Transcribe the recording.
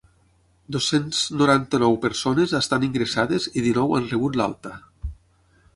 Dos-cents noranta-nou persones estan ingressades i dinou han rebut l’alta.